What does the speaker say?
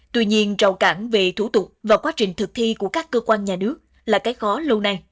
tuy nhiên rầu cản về thủ tục và quá trình thực thi của các cơ quan nhà nước là cái khó lâu nay